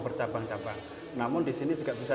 bercabang cabang namun disini juga bisa